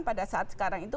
pada saat sekarang itu